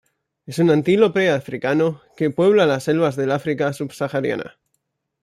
Es un antílope africano que puebla las selvas del África subsahariana.